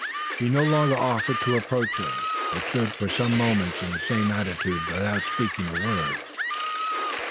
He no longer offered to approach her; but stood for some moments in the same attitude without speaking a word.